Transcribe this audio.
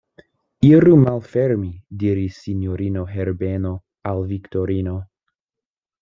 Iru malfermi, diris sinjorino Herbeno al Viktorino.